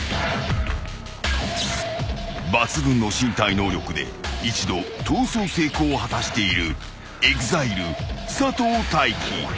［抜群の身体能力で一度逃走成功を果たしているＥＸＩＬＥ佐藤大樹］